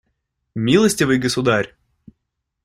Милостивый государь!